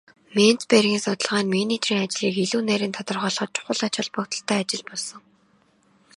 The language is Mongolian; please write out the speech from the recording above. Менцбергийн судалгаа нь менежерийн ажлыг илүү нарийн тодорхойлоход чухал ач холбогдолтой ажил болсон.